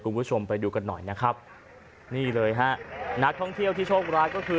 คุณผู้ชมไปดูกันหน่อยนะครับนี่เลยฮะนักท่องเที่ยวที่โชคร้ายก็คือ